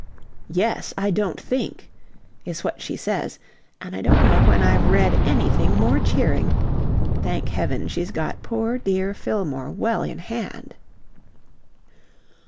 'Yes, I don't think!' is what she says, and I don't know when I've read anything more cheering. Thank heaven, she's got poor dear Fillmore well in hand."